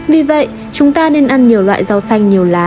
vì vậy chúng ta nên ăn nhiều loại rau xanh nhiều lá